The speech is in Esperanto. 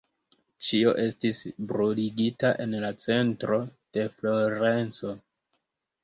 Ĉio estis bruligita en la centro de Florenco.